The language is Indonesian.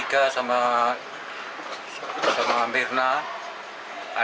maka kita pengen siapa sih yang sebenarnya yang bersalah siapa yang tidak bersalah